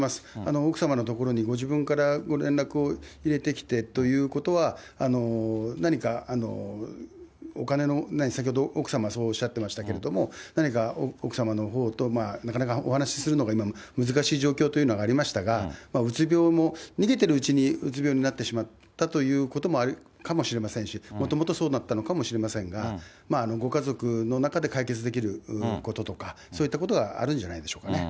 奥様のところにご自分からご連絡を入れてきてということは、何かお金の、先ほど奥様そうおっしゃってましたけれども、何か奥様のほうと、なかなかお話しするのが今、難しい状況というのがありましたが、うつ病も逃げてるうちにうつ病になってしまったということもあるかもしれませんし、もともとそうだったのかもしれませんが、ご家族の中で解決できることとか、そういったことはあるんじゃないでしょうかね。